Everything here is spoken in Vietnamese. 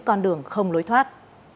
con đường không lối thoát